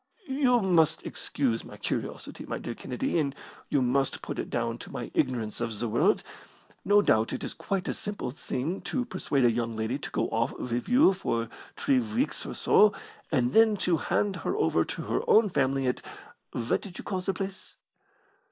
"You must excuse my curiosity, my dear Kennedy, and you must put it down to my ignorance of the world. No doubt it is quite a simple thing to persuade a young lady to go off with you for three weeks or so, and then to hand her over to her own family at what did you call the place?"